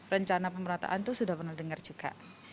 rencana pemerataan itu sudah pernah dengar juga